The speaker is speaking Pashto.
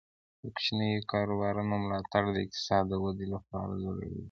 د کوچنیو کاروبارونو ملاتړ د اقتصاد د ودې لپاره ضروري دی.